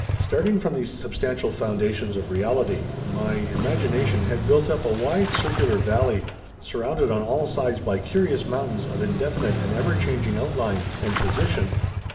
Starting from these substantial foundations of reality, my imagination had built up a wide circular valley, surrounded on all sides by curious mountains of indefinite and ever changing outline and position.